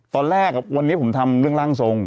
ตอนแรกวันนี้ผมทำเรื่องร่างทรง